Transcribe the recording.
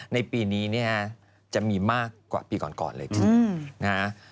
ในปีนี้จะมีมากกว่าปีก่อนเลยคือ